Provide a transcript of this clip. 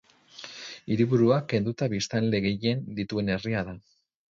Hiriburua kenduta biztanle gehien dituen herria da.